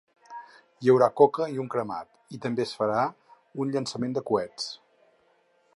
Hi haurà coca i un cremat i també es farà un llançament de coets.